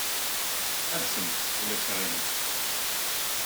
Ḥebsemt, ma ulac aɣilif.